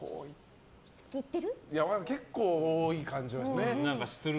結構多い感じは。